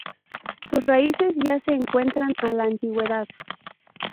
Sus raíces ya se encuentran a la antigüedad.